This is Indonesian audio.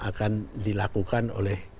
akan dilakukan oleh